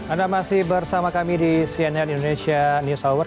anda masih bersama kami di cnn indonesia news hour